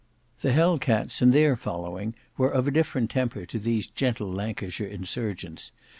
The Hell cats and their following were of a different temper to these gentle Lancashire insurgents.